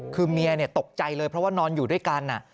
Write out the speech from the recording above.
คือเมียตกใจเลยเพราะว่านอนอยู่ด้วยกัน